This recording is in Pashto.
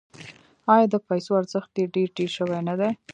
آیا د پیسو ارزښت یې ډیر ټیټ شوی نه دی؟